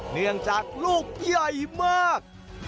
เนื่องจากลูกใหญ่มาก